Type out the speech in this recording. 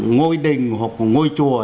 ngôi đình hoặc ngôi chùa